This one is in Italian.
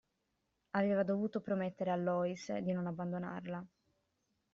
Aveva dovuto promettere a Lois di non abbandonarla.